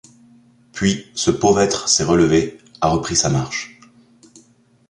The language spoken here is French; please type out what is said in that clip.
Puis, ce pauvre être s’est relevé, a repris sa marche...